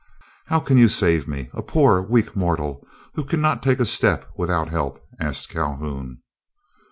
"How can you save me, a poor, weak mortal, who cannot take a step without help?" asked Calhoun.